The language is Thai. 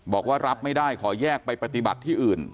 บอกว่ารับไม่ได้ขอแยกไปปฏิบัติที่อื่น